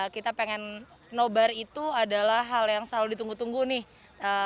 kita pengen nobar itu adalah hal yang selalu ditunggu tunggu nih